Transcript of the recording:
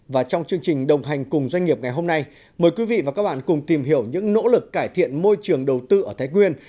và trong chương trình đồng hành cùng doanh nghiệp ngày hôm nay mời quý vị và các bạn cùng tìm hiểu những nỗ lực cải thiện môi trường đầu tư ở thái nguyên